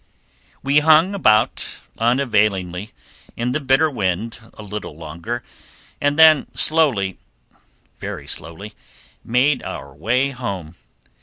We hung about, unavailingly, in the bitter wind a while longer, and then slowly, very slowly, made our way home.